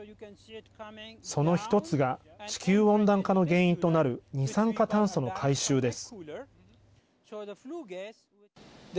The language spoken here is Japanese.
その１つが地球温暖化の原因となる二酸化炭素の回収です。